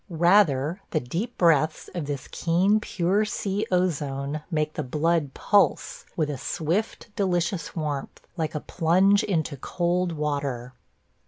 Rather the deep breaths of this keen, pure sea ozone make the blood pulse with a swift, delicious warmth, like a plunge into cold water.